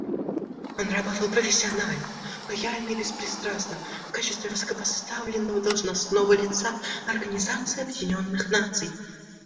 Он работал профессионально, лояльно и беспристрастно в качестве высокопоставленного должностного лица Организации Объединенных Наций.